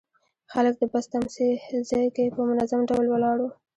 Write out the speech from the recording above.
خلک د بس تمځي کې په منظم ډول ولاړ وو.